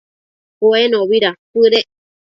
Cuenobi dacuëdec